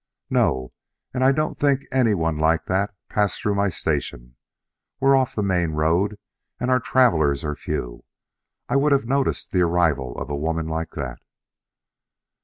"No, and I don't think anyone like that passed through my station. We're off the main road, and our travelers are few. I would have noticed the arrival of a woman like that."